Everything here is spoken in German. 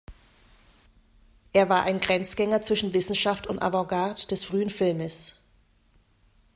Er war ein Grenzgänger zwischen Wissenschaft und Avantgarde des frühen Filmes.